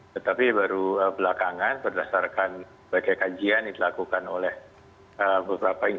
tetapi baru belakangan berdasarkan banyak kajian yang dilakukan oleh beberapa indivi